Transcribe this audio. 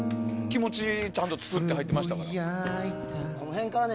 気持ちちゃんと伝わっていましたから。